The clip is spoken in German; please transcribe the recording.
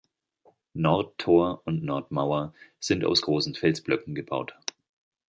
Nordtor und Nordmauer sind aus großen Felsblöcken gebaut.